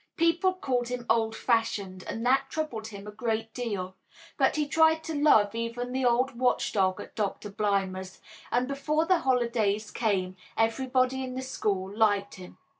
People called him "old fashioned," and that troubled him a great deal, but he tried to love even the old watch dog at Doctor Blimber's, and before the holidays came everybody in the school liked him.